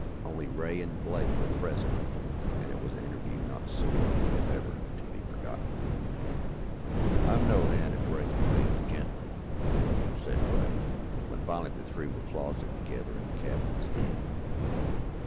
Only Ray and Blake were present and it was an interview not soon, if ever, to be forgotten. "I'm no hand at breaking things gently, Field," said Ray, when finally the three were closeted together in the captain's den.